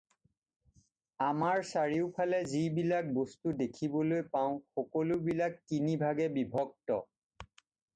আমাৰ চাৰিওফালে যি বিলাক বস্তু দেখিবলৈ পাওঁ সকলো বিলাক তিন ভাগে বিভক্ত